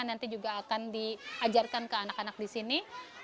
nanti juga akan diajarkan ke anak anak disini